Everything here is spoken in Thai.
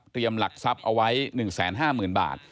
เตรียมหลักทรัพย์เอาไว้๑๕๐๐๐๐บาท